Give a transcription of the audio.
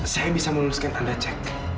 saya bisa melunaskan tanda cek